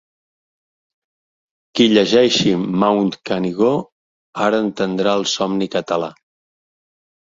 Qui llegeixi ‘Mount Canigó’ ara entendrà el somni català.